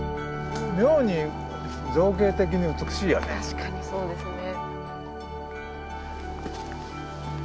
確かにそうですね。